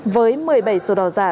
với một mươi bảy sổ đỏ giả